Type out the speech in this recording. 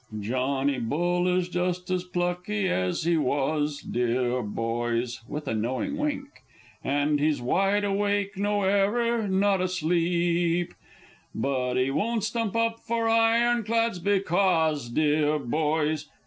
_) Johnny Bull is just as plucky as he was, deah boys! (With a knowing wink.) And he's wide awake no error! not asleep; But he won't stump up for ironclads becos, deah boys!